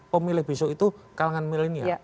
pemilih besok itu kalangan milenial